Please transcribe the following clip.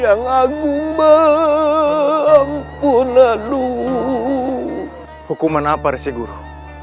yang agung bang punan lu hukuman apa sih guru